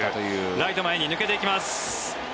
ライト前に抜けていきます。